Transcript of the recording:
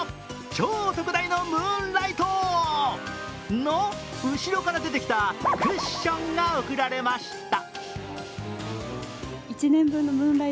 超特大のムーンライトの後ろから出てきたクッションが贈られました。